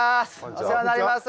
お世話になります。